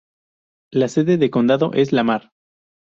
La sede de condado es Lamar.